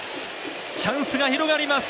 チャンスが広がります。